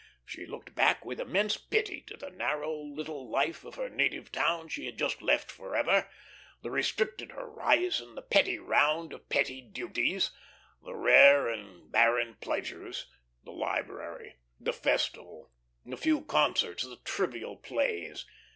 She looked back with immense pity to the narrow little life of her native town she had just left forever, the restricted horizon, the petty round of petty duties, the rare and barren pleasures the library, the festival, the few concerts, the trivial plays.